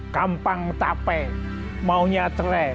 gampang metape maunya cerai